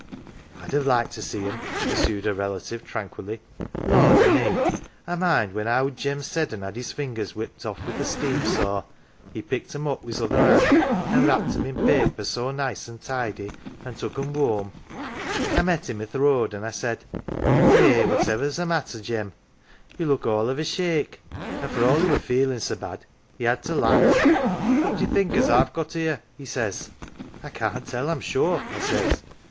" I'd 'ave liked to see 'em," pursued her relative, tranquilly. " Lord o' me ! I mind when owd Jem 87 NANCY Seddon had's fingers whipped off wi' th' steam saw, he picked 'em up wi's other hand an 1 wrapped 'em i' paper so nice and tidy, an" 1 took 'em whoam. I met him i' th' road an 1 I said :' Eh, whatever's th' matter, Jem ; you look all of a shake ?' An 1 for all he were feelin' so had he had to laugh. 'What do ye think as IVe got ""ere ?' he says. ' I can't tell, I'm sure,' I says.